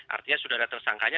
artinya sudah ada tersangkanya